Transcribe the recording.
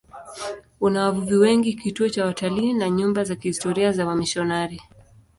Una wavuvi wengi, kituo cha watalii na nyumba za kihistoria za wamisionari.